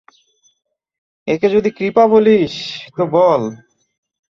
একে যদি কৃপা বলিস তো বল।